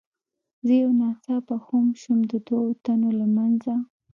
زه یو ناڅاپه خم شوم، د دوو تنو له منځه.